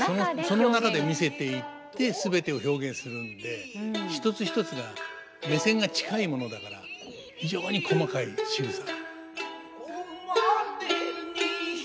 その中で見せていって全てを表現するんで一つ一つが目線が近いものだから非常に細かいしぐさ。